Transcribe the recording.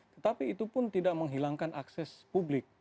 tetapi itu pun tidak menghilangkan akses publik